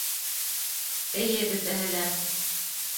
— Эйе, бөтәһе лә...